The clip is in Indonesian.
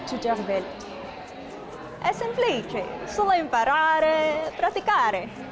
itu membuatnya hanya belajar dan berlatih